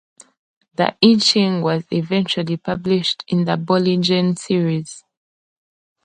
The "I Ching" was eventually published in the Bollingen Series.